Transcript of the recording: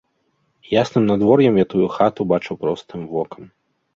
Ясным надвор'ем я тую хату бачу простым вокам.